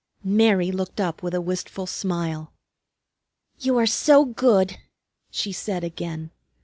Mary looked up with a wistful smile. "You are so good!" she said again.